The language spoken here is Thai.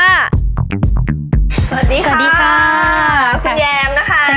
สวัสดีค่ะคุณแยมนะคะ